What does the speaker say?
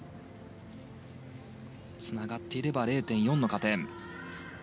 つながっていれば０．４の加点。